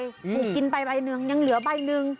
ถูกกินไปใบหนึ่งยังเหลือใบหนึ่ง